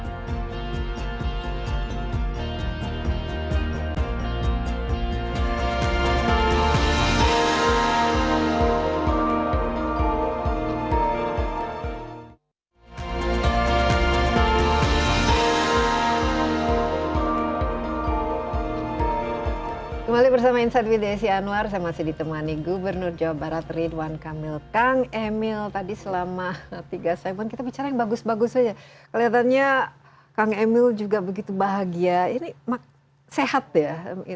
kembali bersama insight with desi anwar saya masih ditemani gubernur jawa barat ridwan kamil kang emil tadi selama tiga saibuan kita bicara yang bagus bagus saja kelihatannya kang emil juga begitu bahagia ini sehat ya maksudnya